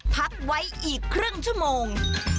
พักไว้อีกครึ่งชั่วโมง